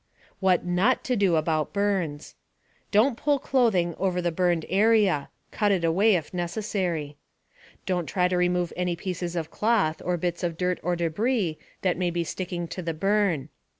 What NOT to do about burns: Don't pull clothing over the burned area (cut it away, if necessary). Don't try to remove any pieces of cloth, or bits of dirt or debris, that may be sticking to the burn.